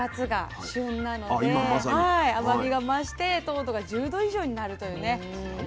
甘みが増して糖度が１０度以上になるというね。